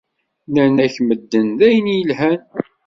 Nnan akk medden d ayen ilhan.